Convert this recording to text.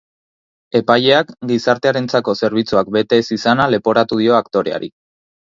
Epaileak gizartearentzako zerbitzuak bete ez izana leporatu dio aktoreari.